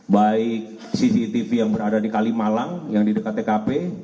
baik cctv yang berada di kalimalang yang di dekat tkp